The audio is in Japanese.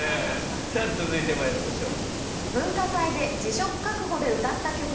さぁ続いてまいりましょう。